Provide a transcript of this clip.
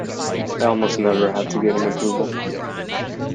I almost never had to get an approval.